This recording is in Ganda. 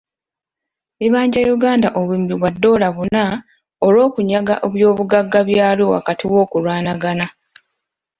Libanja Uganda obuwumbi bwa ddoola buna olw’okunyaga ebyobugagga byalyo wakati w’okulwanagana.